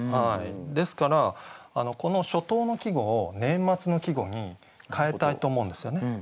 ですからこの初冬の季語を年末の季語に変えたいと思うんですよね。